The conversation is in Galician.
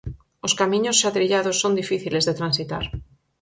Os camiños xa trillados son difíciles de transitar.